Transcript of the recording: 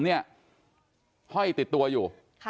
เฮ่ยติดตัวอยู่